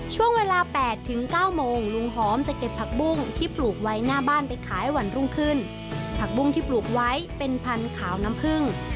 ช่วงเวลา๘๙โมงลุงหอมจะเก็บผักบุ้งที่ปลูกไว้หน้าบ้านไปขายวันรุ่งขึ้นผักบุ้งที่ปลูกไว้เป็นพันธุ์ขาวน้ำผึ้ง